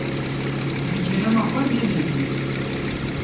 Ji kerema xwe nelezînin.